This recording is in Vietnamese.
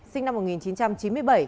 sinh năm một nghìn chín trăm chín mươi bảy